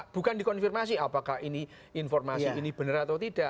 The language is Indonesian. bukan dikonfirmasi apakah ini informasi yang benar atau tidak